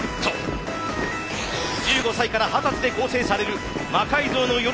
１５歳から二十歳で構成される「魔改造の夜」